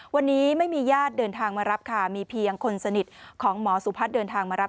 วันนี้ไม่มีญาติเดินทางมารับค่ะมีเพียงคนสนิทของหมอสุพัฒน์เดินทางมารับ